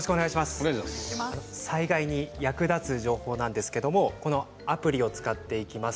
災害に役立つ情報なんですけれどもこのアプリを使っていきます。